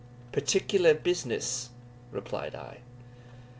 "Particular business," replied I.